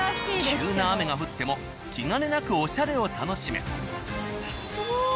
急な雨が降っても気兼ねなくオシャレを楽しめ。